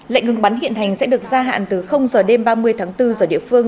lệnh ngừng bắn hiện hành sẽ được gia hạn từ giờ đêm ba mươi tháng bốn giờ địa phương